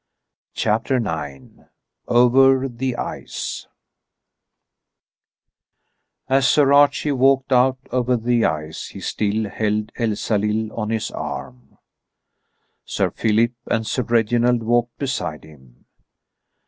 CHAPTER IX OVER THE ICE As Sir Archie walked out over the ice he still held Elsalill on his arm. Sir Philip and Sir Reginald walked beside him.